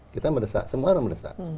kita semua orang mendesak